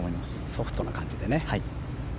ソフトな感じでね。